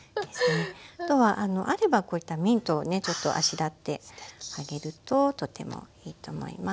あとはあればこういったミントをねちょっとあしらってあげるととてもいいと思います。